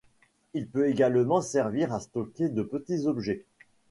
Il peut également servir à stocker de petits objets.